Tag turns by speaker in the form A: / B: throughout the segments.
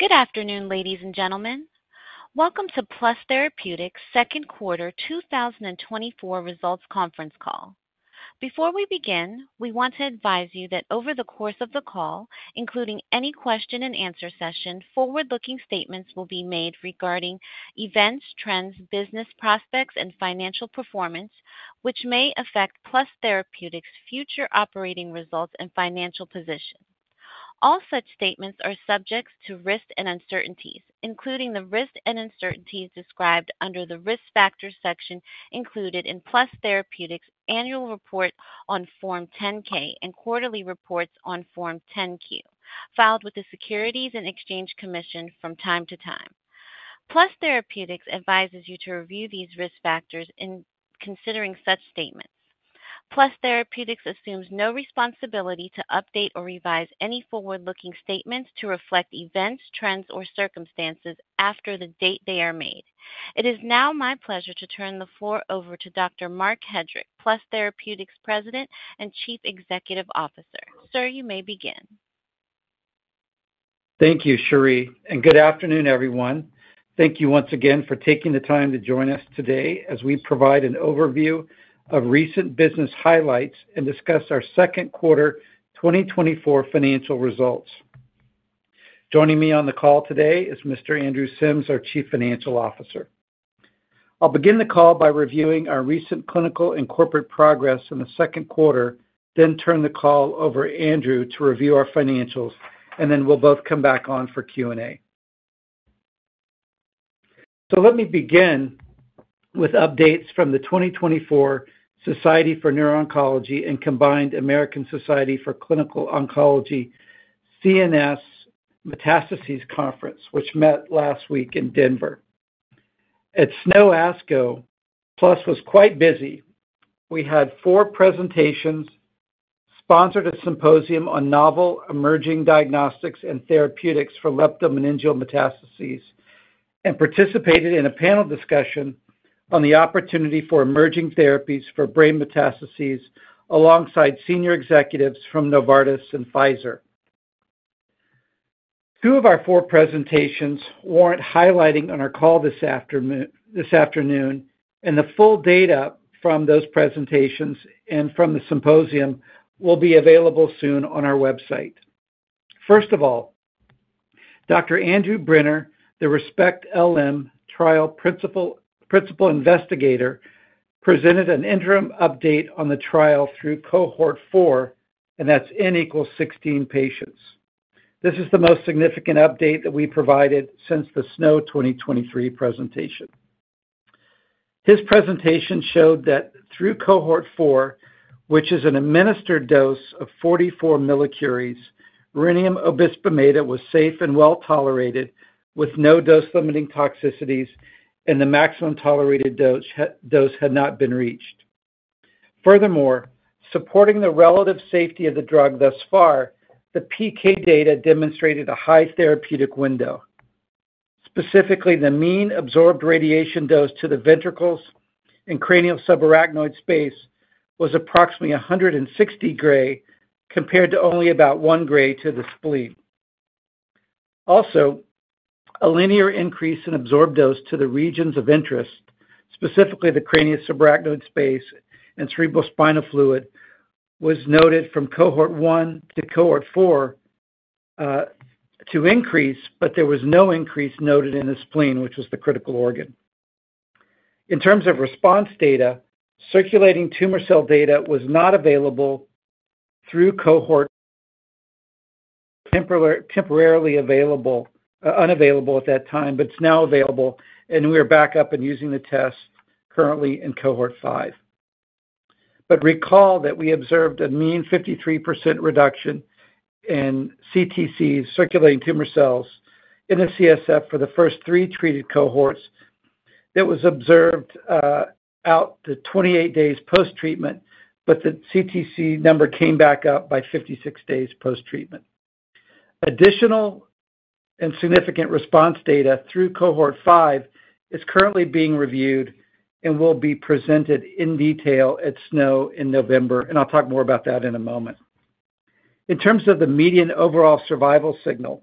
A: Good afternoon, ladies and gentlemen. Welcome to Plus Therapeutics' second quarter 2024 results conference call. Before we begin, we want to advise you that over the course of the call, including any question and answer session, forward-looking statements will be made regarding events, trends, business prospects, and financial performance, which may affect Plus Therapeutics' future operating results and financial position. All such statements are subject to risks and uncertainties, including the risks and uncertainties described under the Risk Factors section included in Plus Therapeutics' annual report on Form 10-K and quarterly reports on Form 10-Q, filed with the Securities and Exchange Commission from time to time. Plus Therapeutics advises you to review these risk factors in considering such statements. Plus Therapeutics assumes no responsibility to update or revise any forward-looking statements to reflect events, trends, or circumstances after the date they are made. It is now my pleasure to turn the floor over to Dr. Marc Hedrick, Plus Therapeutics President and Chief Executive Officer. Sir, you may begin.
B: Thank you, Cherie, and good afternoon, everyone. Thank you once again for taking the time to join us today as we provide an overview of recent business highlights and discuss our second quarter 2024 financial results. Joining me on the call today is Mr. Andrew Sims, our Chief Financial Officer. I'll begin the call by reviewing our recent clinical and corporate progress in the second quarter, then turn the call over to Andrew to review our financials, and then we'll both come back on for Q&A. So let me begin with updates from the 2024 Society for Neuro-Oncology and American Society of Clinical Oncology CNS Metastases Conference, which met last week in Denver. At SNO/ASCO, Plus was quite busy. We had 4 presentations, sponsored a symposium on novel emerging diagnostics and therapeutics for leptomeningeal metastases, and participated in a panel discussion on the opportunity for emerging therapies for brain metastases alongside senior executives from Novartis and Pfizer. Two of our 4 presentations warrant highlighting on our call this afternoon, and the full data from those presentations and from the symposium will be available soon on our website. First of all, Dr. Andrew Brenner, the ReSPECT-LM trial principal investigator, presented an interim update on the trial through cohort 4, and that's N=16 patients. This is the most significant update that we provided since the SNO 2023 presentation. His presentation showed that through cohort 4, which is an administered dose of 44 millicuries, rhenium obisbemeda was safe and well-tolerated, with no dose-limiting toxicities, and the maximum tolerated dose had not been reached. Furthermore, supporting the relative safety of the drug thus far, the PK data demonstrated a high therapeutic window. Specifically, the mean absorbed radiation dose to the ventricles and cranial subarachnoid space was approximately 160 gray, compared to only about one gray to the spleen. Also, a linear increase in absorbed dose to the regions of interest, specifically the cranial subarachnoid space and cerebrospinal fluid, was noted from cohort 1 to cohort 4 to increase, but there was no increase noted in the spleen, which was the critical organ. In terms of response data, circulating tumor cell data was not available through cohort. Temporarily unavailable at that time, but it's now available, and we are back up and using the test currently in cohort 5. But recall that we observed a mean 53% reduction in CTCs, circulating tumor cells, in the CSF for the first three treated cohorts. That was observed out to 28 days post-treatment, but the CTC number came back up by 56 days post-treatment. Additional and significant response data through cohort five is currently being reviewed and will be presented in detail at SNO in November, and I'll talk more about that in a moment. In terms of the median overall survival signal,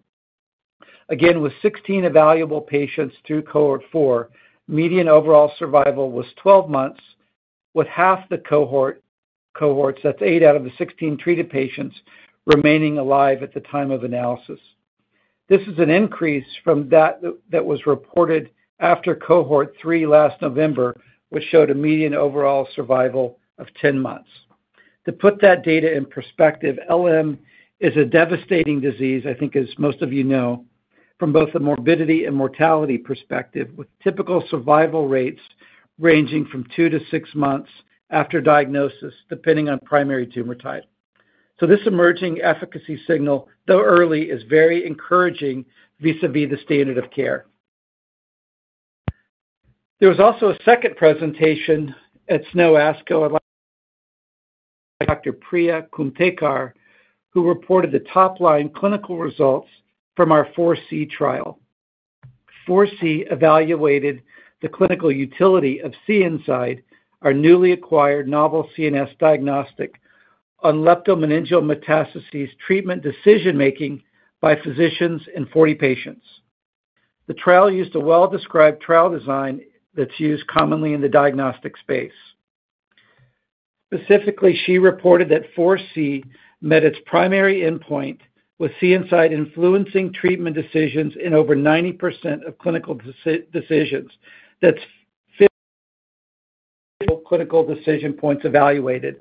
B: again, with 16 evaluable patients through cohort four, median overall survival was 12 months, with half the cohort, cohorts, that's eight out of the 16 treated patients, remaining alive at the time of analysis. This is an increase from that, that was reported after cohort three last November, which showed a median overall survival of 10 months. To put that data in perspective, LM is a devastating disease, I think, as most of you know, from both the morbidity and mortality perspective, with typical survival rates ranging from 2-6 months after diagnosis, depending on primary tumor type. So this emerging efficacy signal, though early, is very encouraging vis-a-vis the standard of care. There was also a second presentation at SNO/ASCO by Dr. Priya Kumthekar, who reported the top-line clinical results from our FORESEE trial. FORESEE evaluated the clinical utility of CNSide, our newly acquired novel CNS diagnostic, on leptomeningeal metastases treatment decision-making by physicians in 40 patients. The trial used a well-described trial design that's used commonly in the diagnostic space. Specifically, she reported that FORESEE met its primary endpoint, with CNSide influencing treatment decisions in over 90% of clinical decisions. That's 50 clinical decision points evaluated,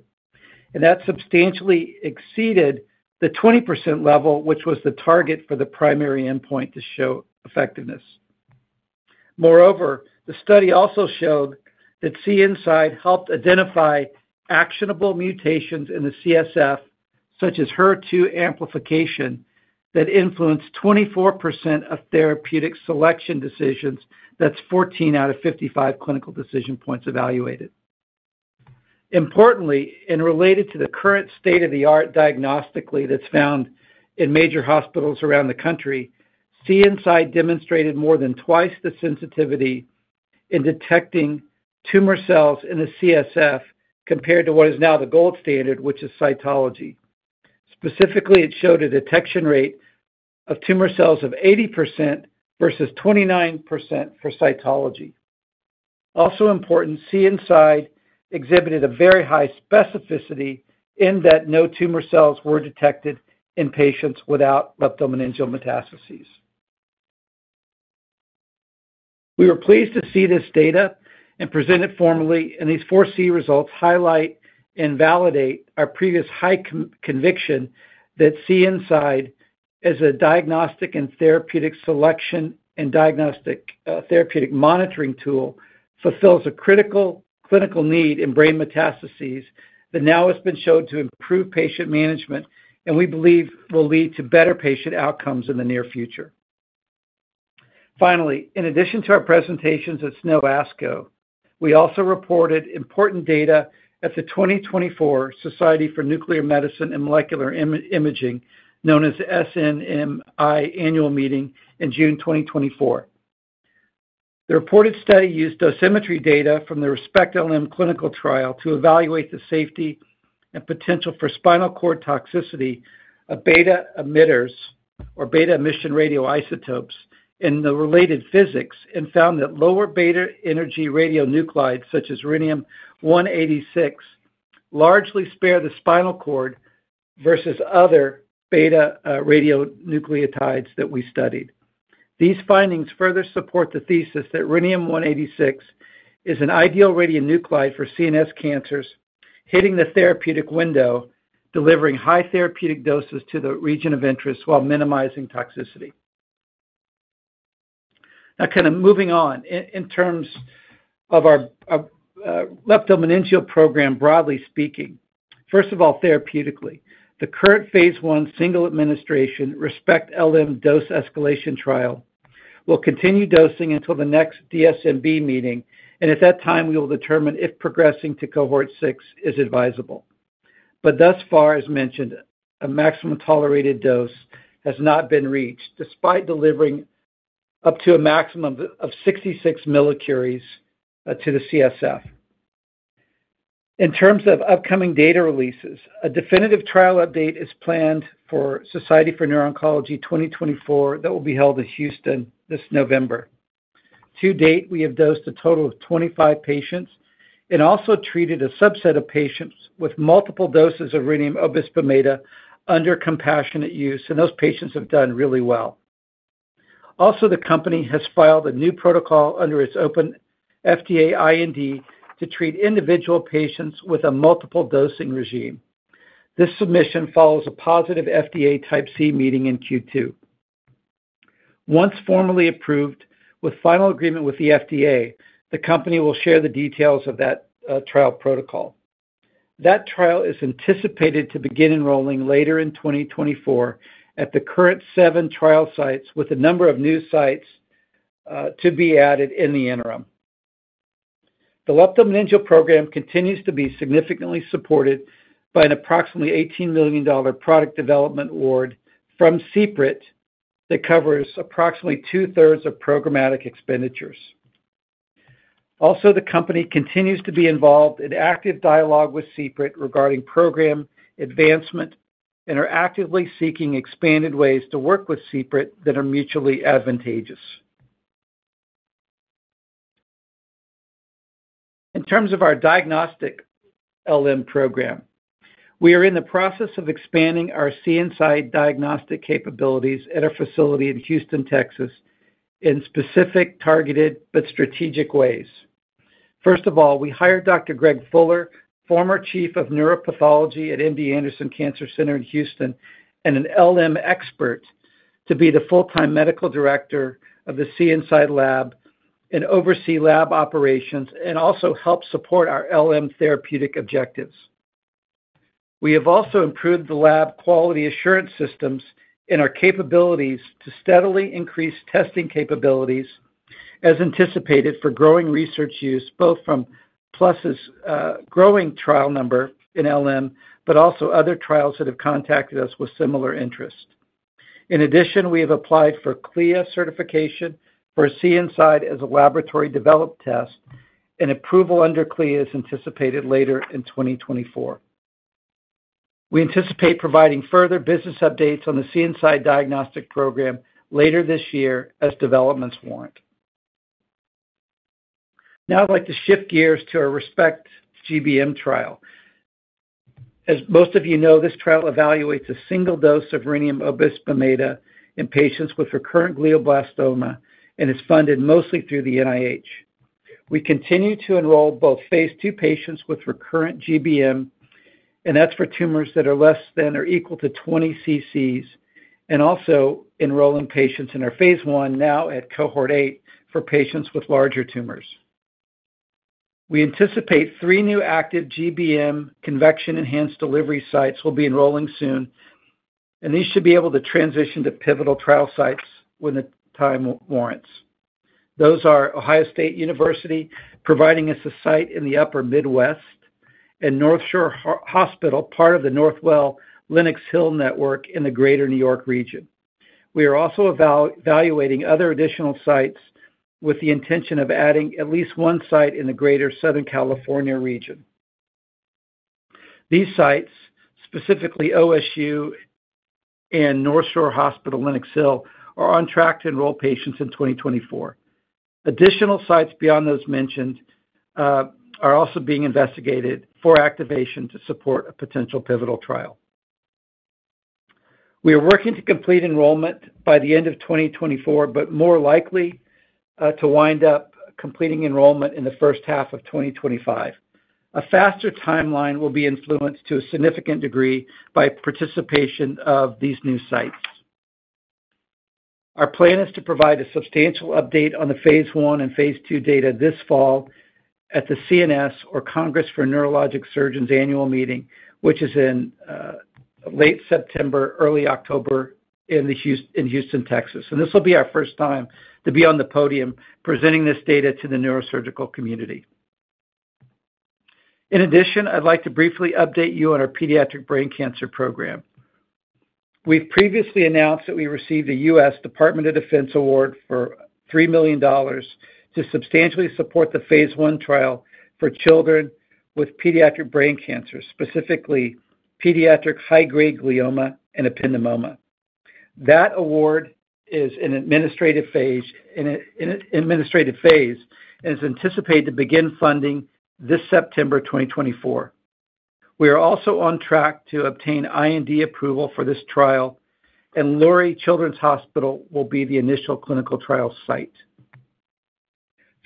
B: and that substantially exceeded the 20% level, which was the target for the primary endpoint to show effectiveness. Moreover, the study also showed that CNSide helped identify actionable mutations in the CSF, such as HER2 amplification, that influenced 24% of therapeutic selection decisions. That's 14 out of 55 clinical decision points evaluated. Importantly, and related to the current state-of-the-art diagnostically that's found in major hospitals around the country, CNSide demonstrated more than twice the sensitivity in detecting tumor cells in a CSF compared to what is now the gold standard, which is cytology. Specifically, it showed a detection rate of tumor cells of 80% versus 29% for cytology. Also important, CNSide exhibited a very high specificity in that no tumor cells were detected in patients without leptomeningeal metastases. We were pleased to see this data and present it formally, and these FORESEE results highlight and validate our previous high conviction that CNSide, as a diagnostic and therapeutic selection and diagnostic, therapeutic monitoring tool, fulfills a critical clinical need in brain metastases that now has been shown to improve patient management and we believe will lead to better patient outcomes in the near future. Finally, in addition to our presentations at SNO/ASCO, we also reported important data at the 2024 Society for Nuclear Medicine and Molecular Imaging, known as SNMMI Annual Meeting in June 2024. The reported study used dosimetry data from the ReSPECT-LM clinical trial to evaluate the safety and potential for spinal cord toxicity of beta emitters or beta emission radioisotopes in the related physics, and found that lower beta energy radionuclides, such as rhenium-186, largely spare the spinal cord versus other beta radionuclides that we studied. These findings further support the thesis that rhenium-186 is an ideal radionuclide for CNS cancers, hitting the therapeutic window, delivering high therapeutic doses to the region of interest while minimizing toxicity. Now, kind of moving on, in terms of our leptomeningeal program, broadly speaking, first of all, therapeutically, the current Phase 1 single administration ReSPECT-LM dose escalation trial will continue dosing until the next DSMB meeting, and at that time, we will determine if progressing to cohort six is advisable. But thus far, as mentioned, a maximum tolerated dose has not been reached, despite delivering up to a maximum of 66 millicuries to the CSF. In terms of upcoming data releases, a definitive trial update is planned for Society for Neuro-Oncology 2024, that will be held in Houston this November. To date, we have dosed a total of 25 patients and also treated a subset of patients with multiple doses of rhenium obisbemeda under compassionate use, and those patients have done really well. Also, the company has filed a new protocol under its open FDA IND to treat individual patients with a multiple dosing regime. This submission follows a positive FDA Type C meeting in Q2. Once formally approved with final agreement with the FDA, the company will share the details of that trial protocol. That trial is anticipated to begin enrolling later in 2024 at the current seven trial sites, with a number of new sites to be added in the interim. The leptomeningeal program continues to be significantly supported by an approximately $18 million product development award from CPRIT, that covers approximately two-thirds of programmatic expenditures. Also, the company continues to be involved in active dialogue with CPRIT regarding program advancement and are actively seeking expanded ways to work with CPRIT that are mutually advantageous. In terms of our diagnostic LM program, we are in the process of expanding our CNSide diagnostic capabilities at our facility in Houston, Texas, in specific, targeted, but strategic ways. First of all, we hired Dr. Greg Fuller, former chief of neuropathology at MD Anderson Cancer Center in Houston and an LM expert, to be the full-time medical director of the CNSide lab and oversee lab operations and also help support our LM therapeutic objectives. We have also improved the lab quality assurance systems and our capabilities to steadily increase testing capabilities as anticipated for growing research use, both from Plus's growing trial number in LM, but also other trials that have contacted us with similar interest. In addition, we have applied for CLIA certification for CNSide as a laboratory developed test, and approval under CLIA is anticipated later in 2024. We anticipate providing further business updates on the CNSide diagnostic program later this year as developments warrant. Now I'd like to shift gears to our ReSPECT-GBM trial. As most of you know, this trial evaluates a single dose of rhenium obisbemeda in patients with recurrent glioblastoma and is funded mostly through the NIH. We continue to enroll both Phase 2 patients with recurrent GBM, and that's for tumors that are less than or equal to 20 cc's, and also enrolling patients in our Phase 1, now at cohort 8, for patients with larger tumors. We anticipate 3 new active GBM convection enhanced delivery sites will be enrolling soon, and these should be able to transition to pivotal trial sites when the time warrants. Those are The Ohio State University, providing us a site in the upper Midwest and North Shore University Hospital, part of the Northwell Lenox Hill network in the Greater New York region. We are also evaluating other additional sites with the intention of adding at least one site in the greater Southern California region. These sites, specifically OSU and North Shore University Hospital, Lenox Hill Hospital, are on track to enroll patients in 2024. Additional sites beyond those mentioned are also being investigated for activation to support a potential pivotal trial. We are working to complete enrollment by the end of 2024, but more likely to wind up completing enrollment in the first half of 2025. A faster timeline will be influenced to a significant degree by participation of these new sites. Our plan is to provide a substantial update on the Phase 1 and Phase 2 data this fall at the CNS, or Congress of Neurological Surgeons annual meeting, which is in late September, early October, in Houston, Texas. This will be our first time to be on the podium presenting this data to the neurosurgical community. In addition, I'd like to briefly update you on our pediatric brain cancer program. We've previously announced that we received a U.S. Department of Defense award for $3 million to substantially support the Phase 1 trial for children with pediatric brain cancer, specifically pediatric high-grade glioma and ependymoma. That award is in an administrative phase and is anticipated to begin funding this September 2024. We are also on track to obtain IND approval for this trial, and Lurie Children's Hospital will be the initial clinical trial site.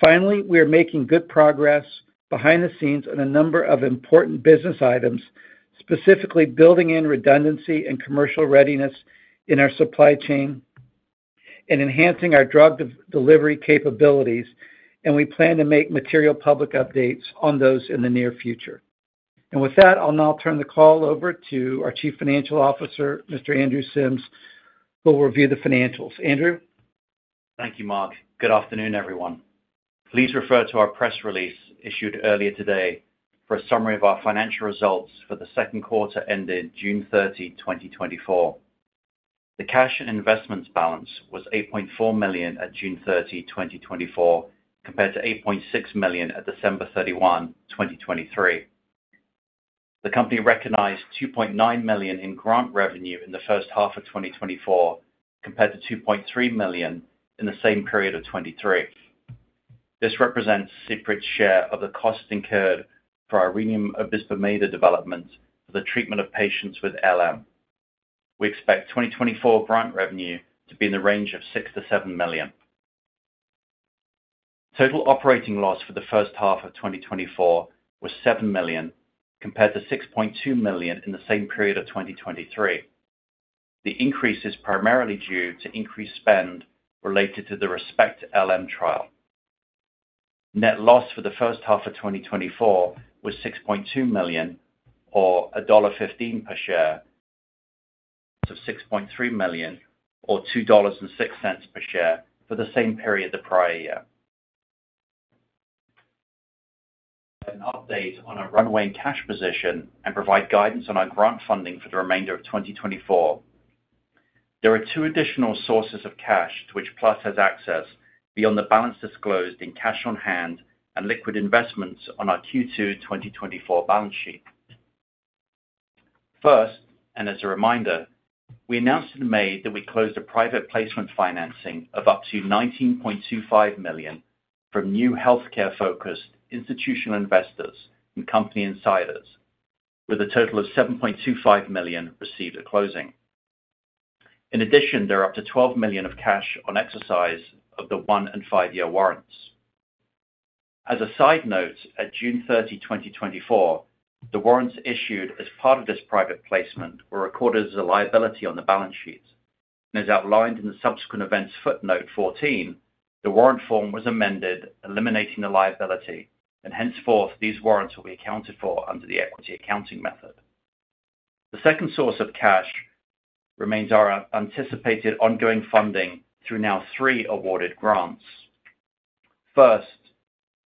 B: Finally, we are making good progress behind the scenes on a number of important business items, specifically building in redundancy and commercial readiness in our supply chain and enhancing our drug delivery capabilities, and we plan to make material public updates on those in the near future. With that, I'll now turn the call over to our Chief Financial Officer, Mr. Andrew Sims, who will review the financials. Andrew?
C: Thank you, Marc. Good afternoon, everyone. Please refer to our press release issued earlier today for a summary of our financial results for the second quarter ended June 30, 2024. The cash and investments balance was $8.4 million at June 30, 2024, compared to $8.6 million at December 31, 2023. The company recognized $2.9 million in grant revenue in the first half of 2024, compared to $2.3 million in the same period of 2023. This represents CPRIT's share of the costs incurred for our rhenium obisbemeda development for the treatment of patients with LM. We expect 2024 grant revenue to be in the range of $6 million-$7 million. Total operating loss for the first half of 2024 was $7 million, compared to $6.2 million in the same period of 2023. The increase is primarily due to increased spend related to the ReSPECT-LM trial. Net loss for the first half of 2024 was $6.2 million, or $1.15 per share, to $6.3 million, or $2.06 per share, for the same period the prior year. An update on our runway and cash position and provide guidance on our grant funding for the remainder of 2024. There are two additional sources of cash to which Plus has access beyond the balance disclosed in cash on hand and liquid investments on our Q2 2024 balance sheet. First, and as a reminder, we announced in May that we closed a private placement financing of up to $19.25 million from new healthcare-focused institutional investors and company insiders, with a total of $7.25 million received at closing. In addition, there are up to $12 million of cash on exercise of the 1- and 5-year warrants. As a side note, at June 30, 2024, the warrants issued as part of this private placement were recorded as a liability on the balance sheet. As outlined in the subsequent events, footnote 14, the warrant form was amended, eliminating the liability, and henceforth, these warrants will be accounted for under the equity accounting method. The second source of cash remains our anticipated ongoing funding through now three awarded grants. First,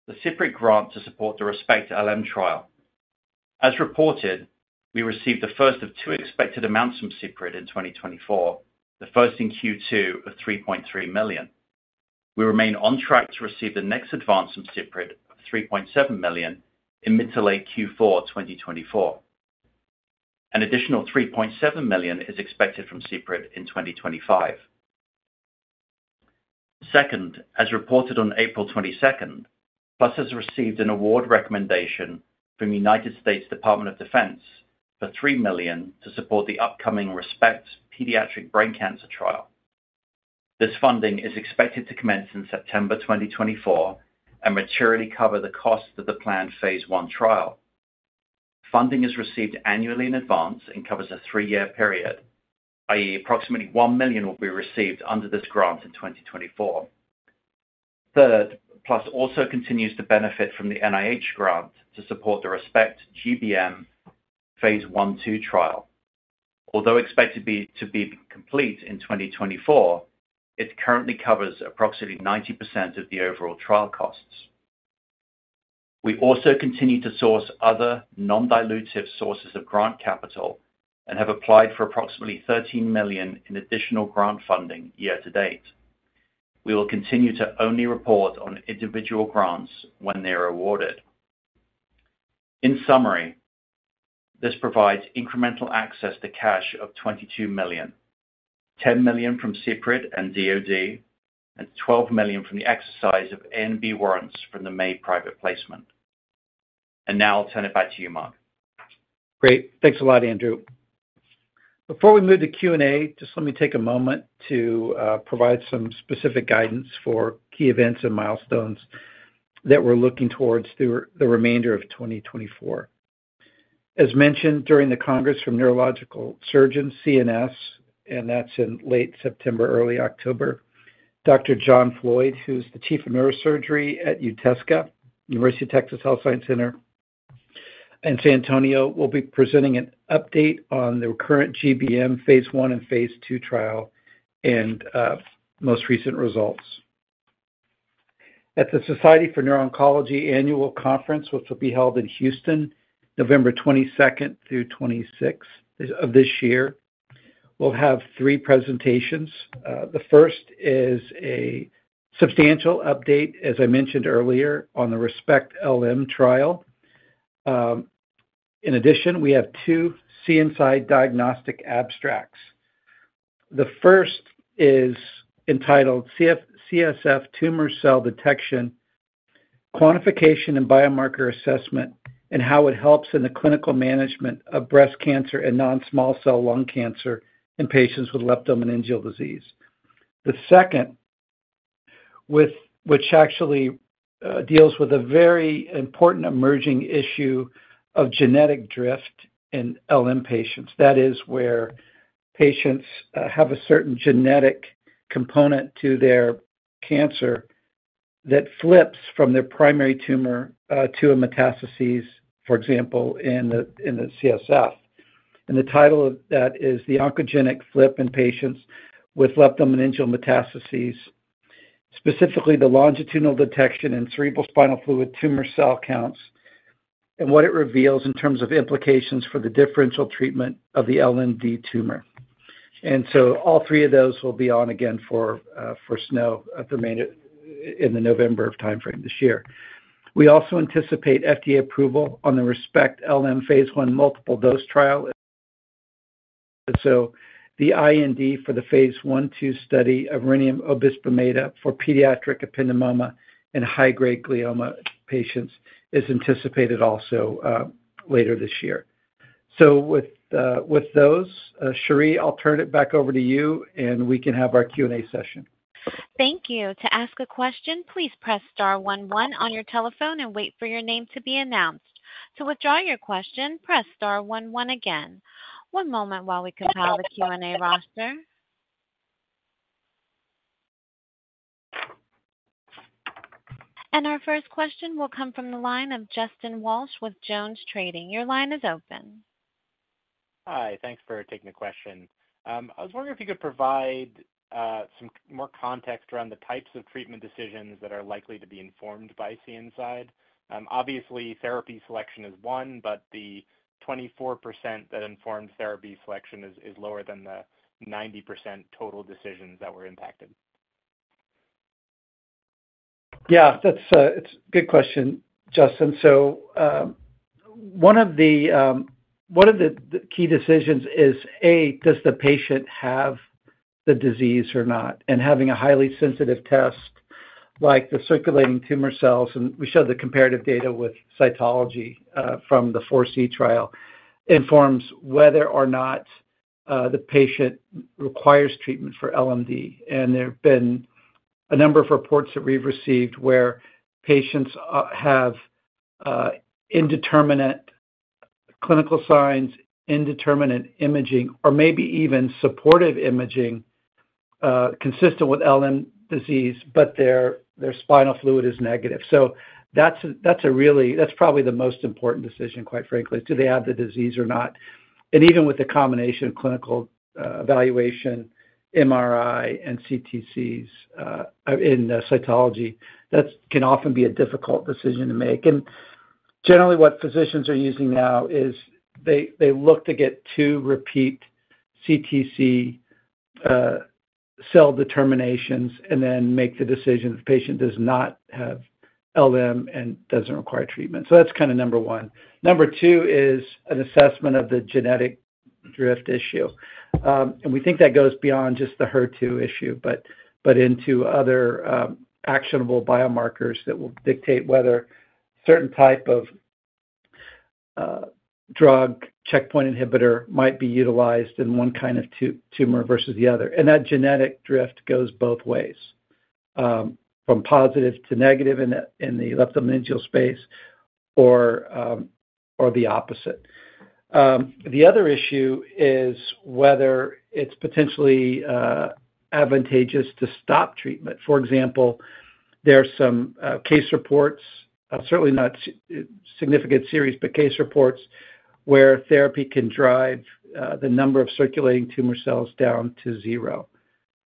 C: the CPRIT grant to support the ReSPECT-LM trial. As reported, we received the first of two expected amounts from CPRIT in 2024, the first in Q2 of $3.3 million. We remain on track to receive the next advance from CPRIT of $3.7 million in mid- to late Q4 2024. An additional $3.7 million is expected from CPRIT in 2025. Second, as reported on April 22, Plus has received an award recommendation from U.S. Department of Defense for $3 million to support the upcoming ReSPECT pediatric brain cancer trial. This funding is expected to commence in September 2024 and materially cover the cost of the planned Phase 1 trial. Funding is received annually in advance and covers a 3-year period, i.e., approximately $1 million will be received under this grant in 2024. Third, Plus also continues to benefit from the NIH grant to support the ReSPECT-GBM Phase 1/2 trial. Although expected to be complete in 2024, it currently covers approximately 90% of the overall trial costs. We also continue to source other non-dilutive sources of grant capital and have applied for approximately $13 million in additional grant funding year to date. We will continue to only report on individual grants when they are awarded. In summary, this provides incremental access to cash of $22 million, $10 million from CPRIT and DoD, and $12 million from the exercise of A and B warrants from the May private placement. Now I'll turn it back to you, Marc.
B: Great. Thanks a lot, Andrew. Before we move to Q&A, just let me take a moment to provide some specific guidance for key events and milestones that we're looking towards through the remainder of 2024. As mentioned during the Congress of Neurological Surgeons, CNS, and that's in late September, early October, Dr. John Floyd, who's the chief of neurosurgery at UT Health Science Center in San Antonio, will be presenting an update on the current GBM Phase 1 and Phase 2 trial and most recent results. At the Society for Neuro-Oncology Annual Conference, which will be held in Houston, November 22 through 26 of this year, we'll have three presentations. The first is a substantial update, as I mentioned earlier, on the ReSPECT-LM trial. In addition, we have two CNSide diagnostic abstracts. The first is entitled CSF Tumor Cell Detection, Quantification and Biomarker Assessment, and how it helps in the clinical management of breast cancer and non-small cell lung cancer in patients with leptomeningeal disease. The second, which actually deals with a very important emerging issue of genetic drift in LM patients. That is where patients have a certain genetic component to their cancer that flips from their primary tumor to a metastases, for example, in the CSF. And the title of that is The Oncogenic Flip in Patients with Leptomeningeal Metastases, specifically the longitudinal detection in cerebrospinal fluid tumor cell counts, and what it reveals in terms of implications for the differential treatment of the LMD tumor. And so all three of those will be on again for SNO at the main in the November timeframe this year. We also anticipate FDA approval on the ReSPECT-LM Phase 1 multiple dose trial. So the IND for the Phase 1/2 study of rhenium obisbemeda for pediatric ependymoma and high-grade glioma patients is anticipated also, later this year. So with, with those, Cherie, I'll turn it back over to you, and we can have our Q&A session.
A: Thank you. To ask a question, please press star one one on your telephone and wait for your name to be announced. To withdraw your question, press star one one again. One moment while we compile the Q&A roster. Our first question will come from the line of Justin Walsh with JonesTrading. Your line is open.
D: Hi, thanks for taking the question. I was wondering if you could provide some more context around the types of treatment decisions that are likely to be informed by CNSide. Obviously, therapy selection is one, but the 24% that informs therapy selection is lower than the 90% total decisions that were impacted.
B: Yeah, that's a good question, Justin. So, one of the key decisions is, a, does the patient have the disease or not? And having a highly sensitive test, like the circulating tumor cells, and we showed the comparative data with cytology from the FORESEE trial, informs whether or not the patient requires treatment for LMD. And there have been a number of reports that we've received where patients have indeterminate clinical signs, indeterminate imaging, or maybe even supportive imaging consistent with LM disease, but their spinal fluid is negative. So that's a really, that's probably the most important decision, quite frankly. Do they have the disease or not? And even with the combination of clinical evaluation, MRI and CTCs and cytology, that can often be a difficult decision to make. Generally, what physicians are using now is they look to get two repeat CTC cell determinations and then make the decision if the patient does not have LM and doesn't require treatment. So that's kind of number one. Number two is an assessment of the genetic drift issue. And we think that goes beyond just the HER2 issue, but into other actionable biomarkers that will dictate whether certain type of drug checkpoint inhibitor might be utilized in one kind of tumor versus the other. And that genetic drift goes both ways, from positive to negative in the leptomeningeal space or the opposite. The other issue is whether it's potentially advantageous to stop treatment. For example, there are some case reports, certainly not significant series, but case reports, where therapy can drive the number of circulating tumor cells down to zero.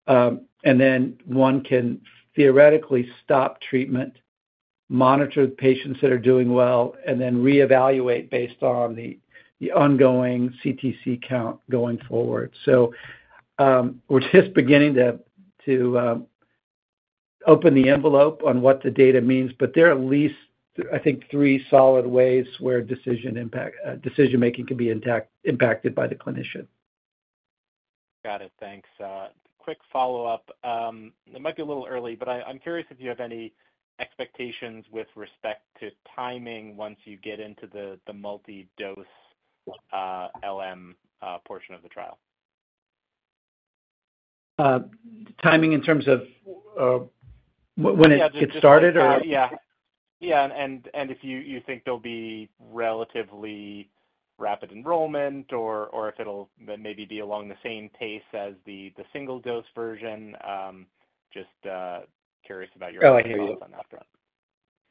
B: And then one can theoretically stop treatment, monitor the patients that are doing well, and then reevaluate based on the ongoing CTC count going forward. So, we're just beginning to open the envelope on what the data means, but there are at least, I think, three solid ways where decision impact, decision-making can be impacted by the clinician.
D: Got it. Thanks. Quick follow-up. It might be a little early, but I'm curious if you have any expectations with respect to timing once you get into the multi-dose LM portion of the trial?
B: Timing in terms of, when it gets started or?
D: Yeah. Yeah, and if you think there'll be relatively rapid enrollment or if it'll maybe be along the same pace as the single-dose version. Just curious about your-
B: Oh, I hear you.
D: On that front.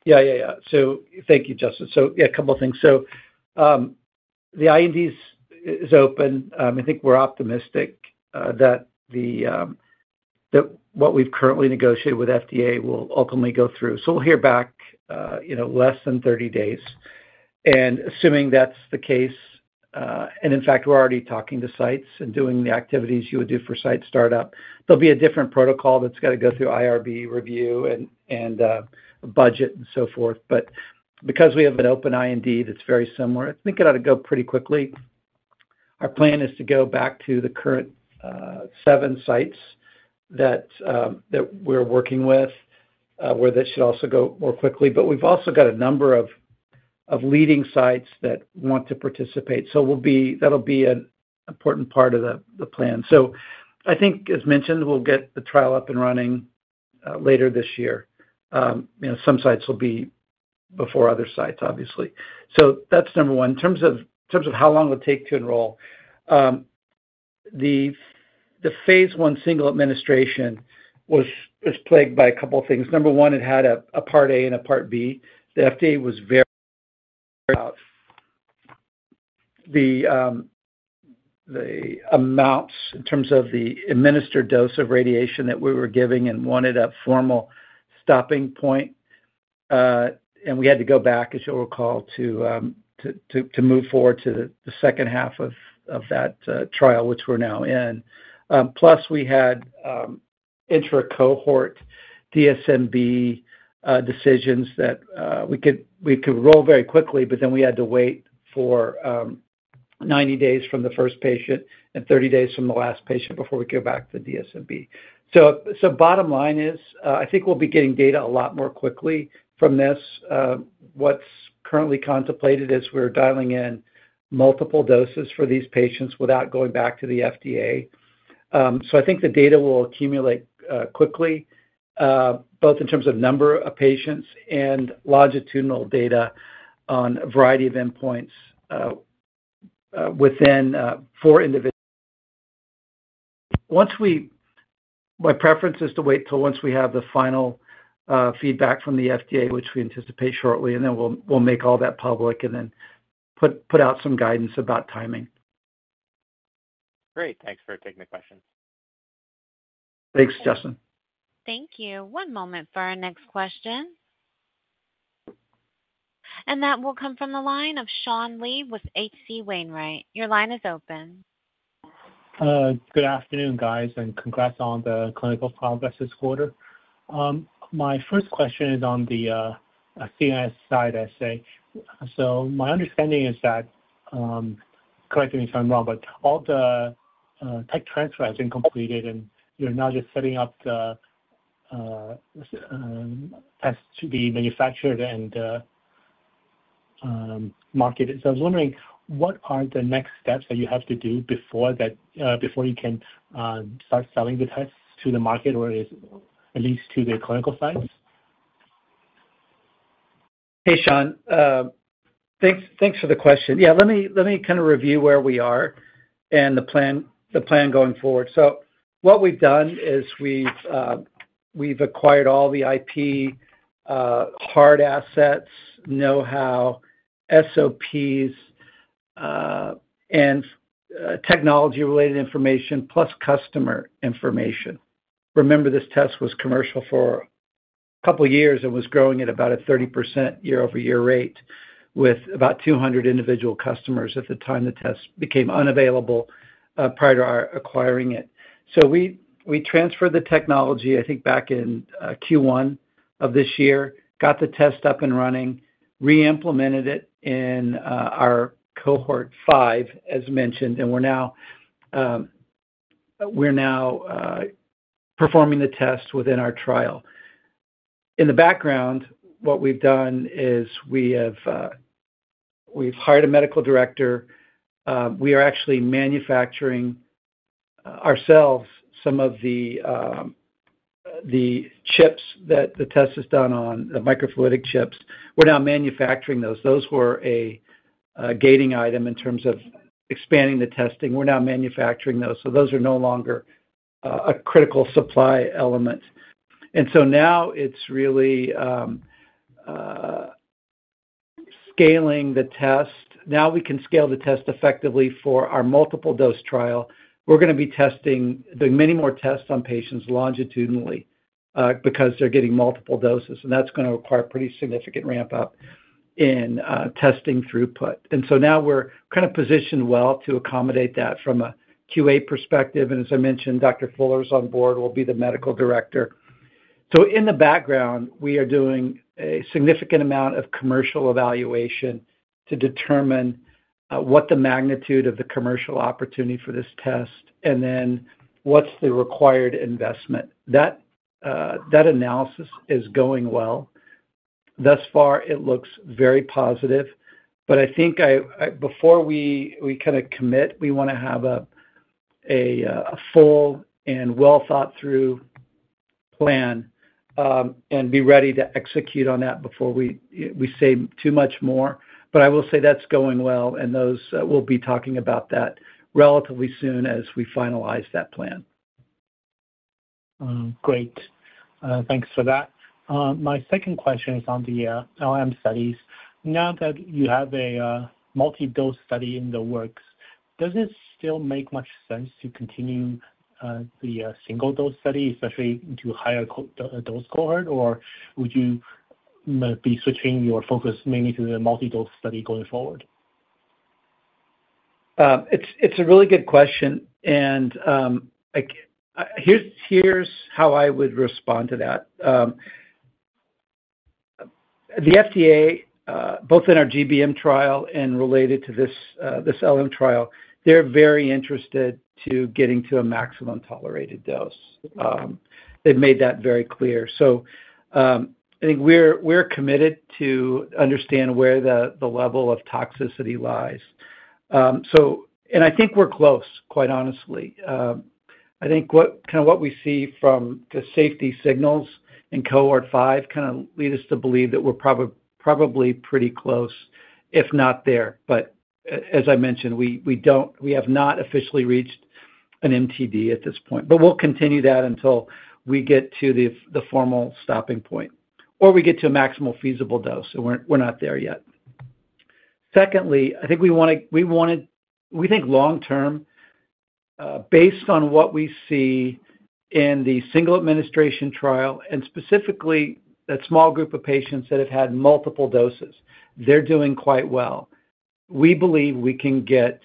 B: Yeah, yeah, yeah. So thank you, Justin. So yeah, a couple of things. So, the IND is open. I think we're optimistic that what we've currently negotiated with FDA will ultimately go through. So we'll hear back, you know, less than 30 days. And assuming that's the case, and in fact, we're already talking to sites and doing the activities you would do for site startup, there'll be a different protocol that's got to go through IRB review and budget and so forth. But because we have an open IND, that's very similar, I think it ought to go pretty quickly. Our plan is to go back to the current 7 sites that we're working with, where this should also go more quickly. But we've also got a number of leading sites that want to participate. So we'll be. That'll be an important part of the plan. So I think, as mentioned, we'll get the trial up and running later this year. You know, some sites will be before other sites, obviously. So that's number one. In terms of how long it would take to enroll, the Phase 1 single administration was plagued by a couple of things. Number one, it had a Part A and a Part B. The FDA was very, very the amounts in terms of the administered dose of radiation that we were giving and wanted a formal stopping point, and we had to go back, as you'll recall, to move forward to the second half of that trial, which we're now in. Plus, we had intra-cohort DSMB decisions that we could roll very quickly, but then we had to wait for 90 days from the first patient and 30 days from the last patient before we go back to the DSMB. So bottom line is, I think we'll be getting data a lot more quickly from this. What's currently contemplated is we're dialing in multiple doses for these patients without going back to the FDA. So I think the data will accumulate quickly, both in terms of number of patients and longitudinal data on a variety of endpoints within four individuals. My preference is to wait till once we have the final feedback from the FDA, which we anticipate shortly, and then we'll make all that public and then put out some guidance about timing.
D: Great. Thanks for taking the question.
B: Thanks, Justin.
A: Thank you. One moment for our next question. That will come from the line of Sean Lee with H.C. Wainwright. Your line is open.
E: Good afternoon, guys, and congrats on the clinical progress this quarter. My first question is on the CNSide assay. So my understanding is that, correct me if I'm wrong, but all the tech transfer has been completed, and you're now just setting up the tests to be manufactured and marketed. So I was wondering, what are the next steps that you have to do before that, before you can start selling the tests to the market, or at least to the clinical sites?
B: Hey, Sean. Thanks, thanks for the question. Yeah, let me, let me kind of review where we are and the plan, the plan going forward. So what we've done is we've, we've acquired all the IP, hard assets, know-how, SOPs, and, technology-related information, plus customer information. Remember, this test was commercial for a couple of years and was growing at about a 30% year-over-year rate, with about 200 individual customers at the time the test became unavailable, prior to our acquiring it. So we, we transferred the technology, I think, back in, Q1 of this year, got the test up and running, re-implemented it in, our Cohort Five, as mentioned, and we're now, we're now, performing the test within our trial. In the background, what we've done is we have, we've hired a medical director. We are actually manufacturing ourselves some of the chips that the test is done on, the microfluidic chips. We're now manufacturing those. Those were a gating item in terms of expanding the testing. We're now manufacturing those, so those are no longer a critical supply element. And so now it's really scaling the test. Now we can scale the test effectively for our multiple dose trial. We're gonna be testing, doing many more tests on patients longitudinally, because they're getting multiple doses, and that's gonna require pretty significant ramp up in testing throughput. And so now we're kind of positioned well to accommodate that from a QA perspective. And as I mentioned, Dr. Fuller's on board, will be the medical director. So in the background, we are doing a significant amount of commercial evaluation to determine what the magnitude of the commercial opportunity for this test, and then what's the required investment. That analysis is going well. Thus far, it looks very positive, but I think before we kind of commit, we wanna have a full and well-thought-through plan, and be ready to execute on that before we say too much more. But I will say that's going well, and those we'll be talking about that relatively soon as we finalize that plan.
E: Great. Thanks for that. My second question is on the LM studies. Now that you have a multi-dose study in the works, does it still make much sense to continue the single-dose study, especially into higher dose cohort? Or would you maybe be switching your focus mainly to the multi-dose study going forward?
B: It's a really good question, and here's how I would respond to that. The FDA, both in our GBM trial and related to this LM trial, they're very interested to getting to a maximum tolerated dose. They've made that very clear. So, I think we're committed to understand where the level of toxicity lies. And I think we're close, quite honestly. I think what we see from the safety signals in Cohort 5 kind of lead us to believe that we're probably pretty close, if not there. But as I mentioned, we don't. We have not officially reached an MTD at this point. But we'll continue that until we get to the formal stopping point, or we get to a maximal feasible dose, so we're not there yet. Secondly, I think we wanna, we wanted... We think long term, based on what we see in the single administration trial, and specifically that small group of patients that have had multiple doses, they're doing quite well. We believe we can get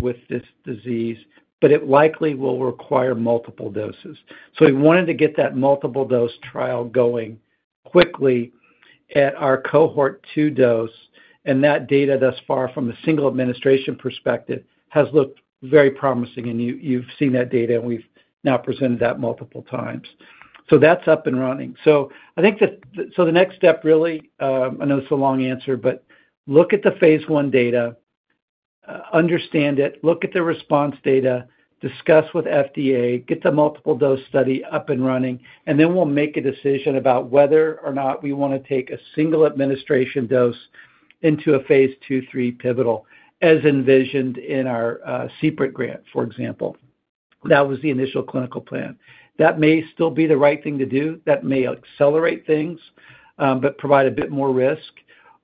B: with this disease, but it likely will require multiple doses. So we wanted to get that multiple dose trial going quickly at our Cohort Two dose, and that data, thus far from a single administration perspective, has looked very promising. And you've seen that data, and we've now presented that multiple times. So that's up and running. So I think the next step, really, I know it's a long answer, but look at the Phase 1 data, understand it, look at the response data, discuss with FDA, get the multiple dose study up and running, and then we'll make a decision about whether or not we wanna take a single administration dose into a Phase 2, 3 pivotal, as envisioned in our CPRIT grant, for example. That was the initial clinical plan. That may still be the right thing to do. That may accelerate things, but provide a bit more risk,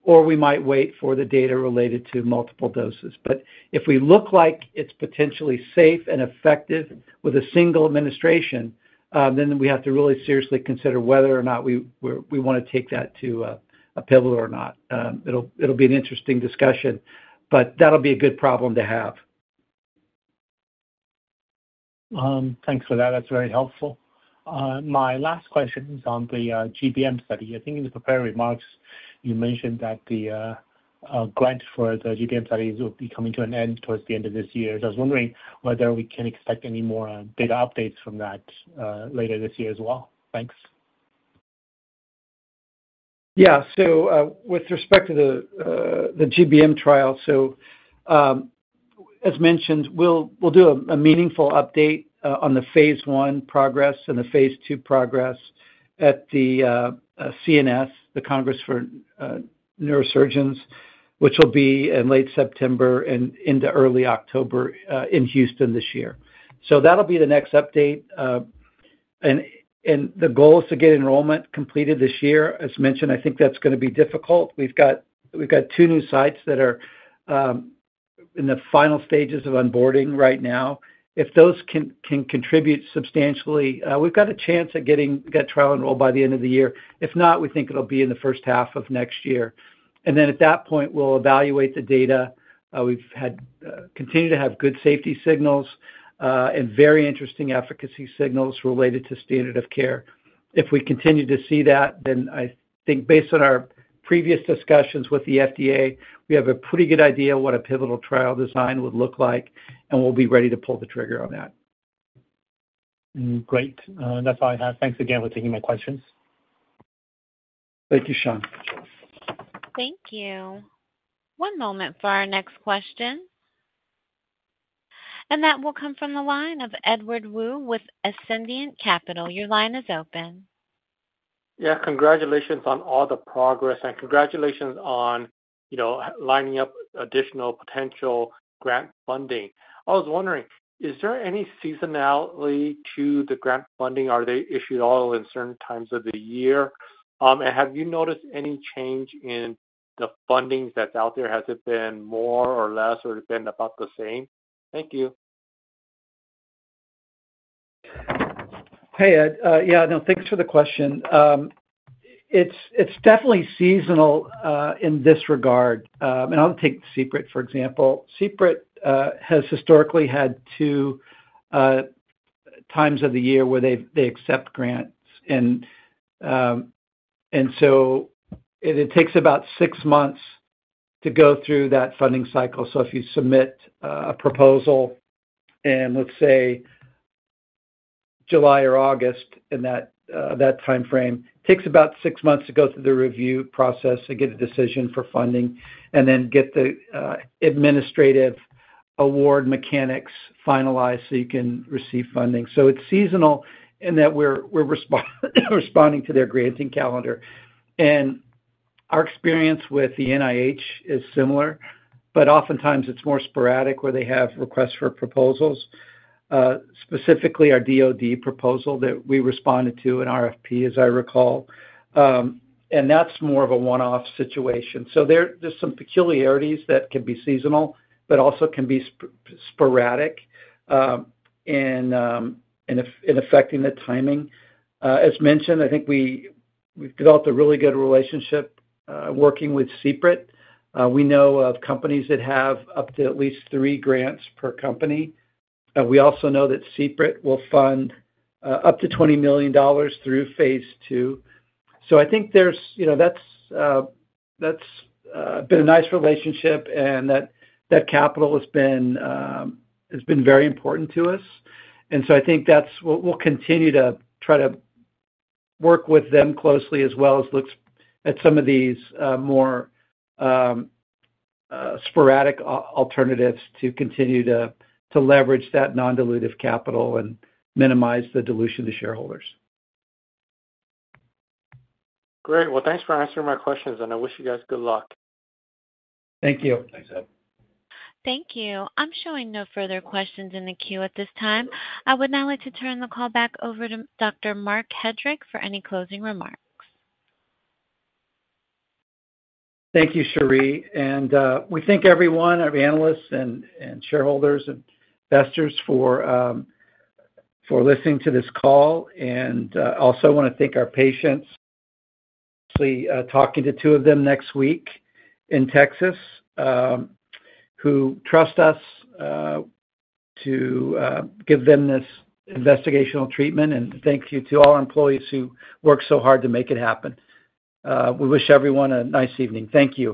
B: or we might wait for the data related to multiple doses. But if we look like it's potentially safe and effective with a single administration, then we have to really seriously consider whether or not we wanna take that to a pivotal or not. It'll be an interesting discussion, but that'll be a good problem to have.
E: Thanks for that. That's very helpful. My last question is on the GBM study. I think in the prepared remarks, you mentioned that the grant for the GBM studies will be coming to an end towards the end of this year. So I was wondering whether we can expect any more data updates from that later this year as well? Thanks.
B: Yeah. So, with respect to the GBM trial, so, as mentioned, we'll do a meaningful update on the Phase 1 progress and the Phase 2 progress at the CNS, the Congress of Neurological Surgeons, which will be in late September and into early October in Houston this year. So that'll be the next update. And the goal is to get enrollment completed this year. As mentioned, I think that's gonna be difficult. We've got 2 new sites that are in the final stages of onboarding right now. If those can contribute substantially, we've got a chance at getting that trial enrolled by the end of the year. If not, we think it'll be in the first half of next year. And then at that point, we'll evaluate the data. We've had continued to have good safety signals, and very interesting efficacy signals related to standard of care. If we continue to see that, then I think based on our previous discussions with the FDA, we have a pretty good idea what a pivotal trial design would look like, and we'll be ready to pull the trigger on that.
E: Great. That's all I have. Thanks again for taking my questions.
B: Thank you, Sean.
A: Thank you. One moment for our next question. That will come from the line of Edward Woo with Ascendiant Capital Markets. Your line is open.
F: Yeah. Congratulations on all the progress, and congratulations on, you know, lining up additional potential grant funding. I was wondering, is there any seasonality to the grant funding? Are they issued all in certain times of the year? And have you noticed any change in the funding that's out there? Has it been more or less, or has it been about the same? Thank you.
B: Hey, Ed. Yeah, no, thanks for the question. It's definitely seasonal in this regard. And I'll take CPRIT, for example. CPRIT has historically had two times of the year where they accept grants. And so it takes about six months to go through that funding cycle. So if you submit a proposal in, let's say, July or August, in that timeframe, it takes about six months to go through the review process to get a decision for funding, and then get the administrative award mechanics finalized so you can receive funding. So it's seasonal in that we're responding to their granting calendar. And our experience with the NIH is similar, but oftentimes it's more sporadic, where they have requests for proposals, specifically our DoD proposal that we responded to, an RFP, as I recall. That's more of a one-off situation. So there, there's some peculiarities that can be seasonal, but also can be sporadic, in affecting the timing. As mentioned, I think we've developed a really good relationship, working with CPRIT. We know of companies that have up to at least three grants per company. And we also know that CPRIT will fund up to $20 million through Phase 2. So I think there's... you know, that's been a nice relationship, and that capital has been very important to us. And so I think that's what we'll continue to try to work with them closely, as well as look at some of these more sporadic alternatives to continue to leverage that non-dilutive capital and minimize the dilution to shareholders.
F: Great. Well, thanks for answering my questions, and I wish you guys good luck.
B: Thank you.
C: Thanks, Ed.
A: Thank you. I'm showing no further questions in the queue at this time. I would now like to turn the call back over to Dr. Marc Hedrick for any closing remarks.
B: Thank you, Cherie. We thank everyone, our analysts and shareholders and investors for listening to this call. I also wanna thank our patients. I'll be talking to two of them next week in Texas, who trust us to give them this investigational treatment. Thank you to all our employees who work so hard to make it happen. We wish everyone a nice evening. Thank you.